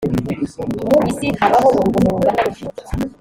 mu isi habaho urugomo rungana rutyo